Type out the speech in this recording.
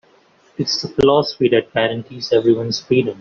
It's the philosophy that guarantees everyone's freedom.